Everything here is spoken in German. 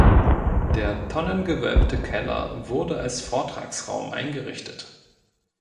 Der tonnengewölbte Keller wurde als Vortragsraum eingerichtet.